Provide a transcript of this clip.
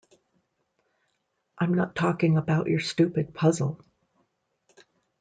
I'm not talking about your stupid puzzle.